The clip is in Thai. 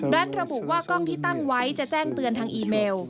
ระบุว่ากล้องที่ตั้งไว้จะแจ้งเตือนทางอีเมล